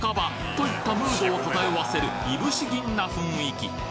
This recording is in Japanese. といったムードを漂わせるいぶし銀な雰囲気